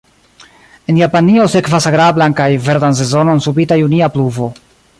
En Japanio sekvas agrablan kaj verdan sezonon subita junia pluvo.